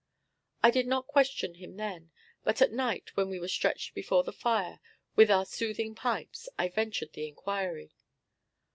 I did not question him then, but at night, when we were stretched before the fire, with our soothing pipes, I ventured the inquiry.